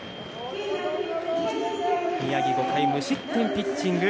宮城、５回無失点ピッチング。